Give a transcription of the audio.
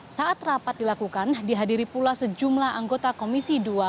saat rapat dilakukan dihadiri pula sejumlah anggota komisi dua